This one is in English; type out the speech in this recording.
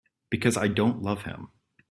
Because I don't love him.